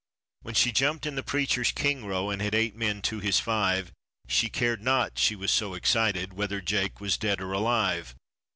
When she jumped in the preacher's king row, and had eight men to his five, She cared not (she was so excited) whether Jake was dead or alive.